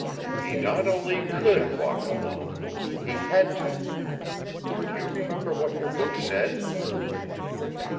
"He not only could walk alone, he had to. Do you remember what your book said?"